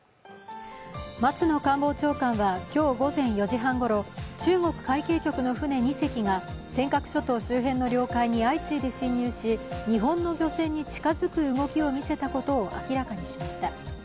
松野官房長官は今日午前４時半ごろ、中国海警局の船２隻が尖閣諸島周辺の領域に相次いで侵入し日本の漁船に近づく動きを見せたことを明らかにしました。